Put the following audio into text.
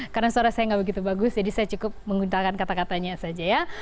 karena suara saya nggak begitu bagus jadi saya cukup menguntalkan kata katanya saja ya